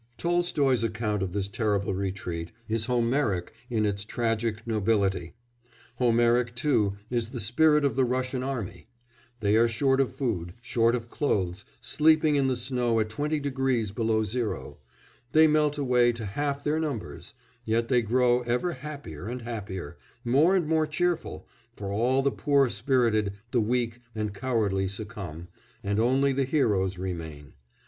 Tolstoy's account of this terrible retreat is Homeric in its tragic nobility; Homeric, too, is the spirit of the Russian army: they are short of food, short of clothes, sleeping in the snow at twenty degrees below zero; they melt away to half their numbers, yet they grow ever happier and happier, more and more cheerful, for all the poor spirited, the weak, and cowardly succumb, and only the heroes remain.